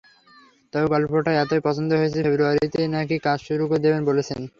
তবে গল্পটা এতই পছন্দ হয়েছে, ফেব্রুয়ারিতেই নাকি কাজ শুরু করে দেবেন বলেছেন।